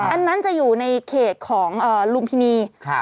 อันนั้นจะอยู่ในเขตของลุมพินี